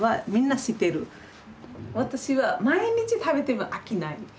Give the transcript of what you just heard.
私は毎日食べても飽きない。